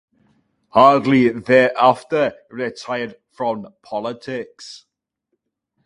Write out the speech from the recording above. Hardy thereafter retired from politics.